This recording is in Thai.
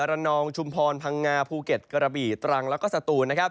ระนองชุมพรพังงาภูเก็ตกระบี่ตรังแล้วก็สตูนนะครับ